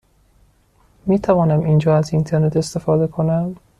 می توانم اینجا از اینترنت استفاده کنم؟